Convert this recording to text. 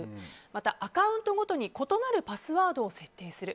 また、アカウントごとに異なるパスワードを設定する。